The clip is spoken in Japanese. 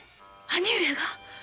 兄上が！？